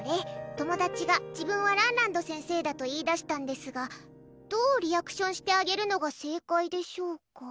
友達が自分はランランド先生だと言い出したんですがどうリアクションしてあげるのが正解でしょうか。